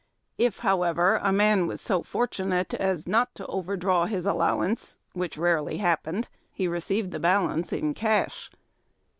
If, however, a man was so fortunate as not to overdraw his allowance, which rarely happened, he received the balance in cash.